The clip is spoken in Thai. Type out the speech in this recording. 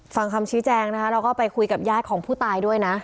ฟังคำชี้แจงนะคะเราก็ไปคุยกับญาติของผู้ตายด้วยนะ